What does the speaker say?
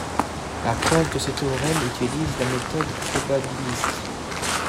La preuve de ce théorème utilise la méthode probabiliste.